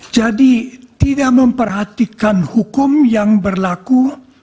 jadi tidak memperhatikan hukum yang berlaku